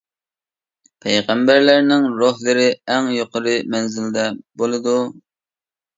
پەيغەمبەرلەرنىڭ روھلىرى ئەڭ يۇقىرى مەنزىلدە بولىدۇ.